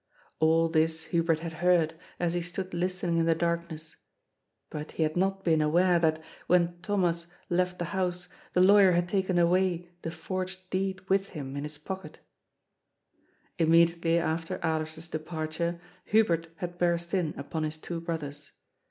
All this Hubert had heard, as he stood listening in the darkness, but he had not been aware that, when Thomas left the house, the lawyer had taken away the forged deed with him in his pocket Immediately after Alers's departure Hubert had burst in upon his two brothers.